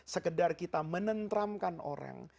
sekedar kita menentramkan orang